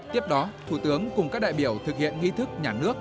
tiếp đó thủ tướng cùng các đại biểu thực hiện nghi thức nhà nước